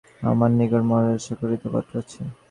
আমার নিকট মহারাজের স্বাক্ষরিত পত্র আছে।